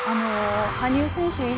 羽生選手